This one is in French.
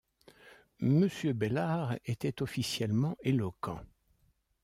Monsieur Bellart était officiellement éloquent.